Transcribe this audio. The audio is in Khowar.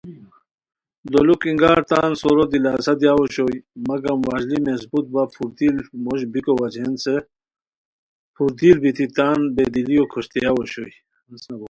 دولوک اِنگار تان سورو دلاسہ دیاؤ اوشوئے مگم وشلی مظبوط وا پھردل موش بیکو وجہین ہسے دی پھردل بیتی تان بے دلیو کھوشتیاؤ اوشوئے